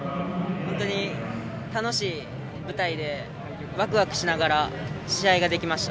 本当に楽しい舞台でワクワクしながら試合ができました。